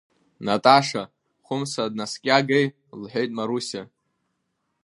Наташа, Хәымса днаскьагеи, — лҳәеит Марусиа.